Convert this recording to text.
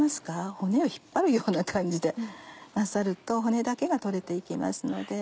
骨を引っ張るような感じでなさると骨だけが取れて行きますので。